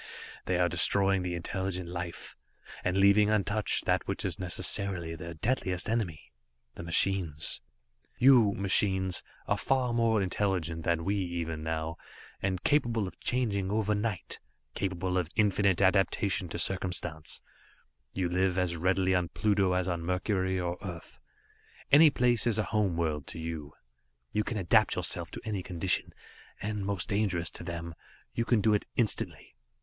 "They are destroying the intelligent life and leaving untouched that which is necessarily their deadliest enemy the machines. "You machines are far more intelligent than we even now, and capable of changing overnight, capable of infinite adaptation to circumstance; you live as readily on Pluto as on Mercury or Earth. Any place is a home world to you. You can adapt yourselves to any condition. And most dangerous to them you can do it instantly.